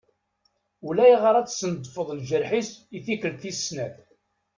Ulayɣer ad d-sendef lǧerḥ-is i tikkelt tis snat.